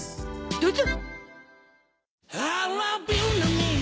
どうぞ！